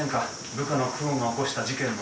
部下の久遠が起こした事件の。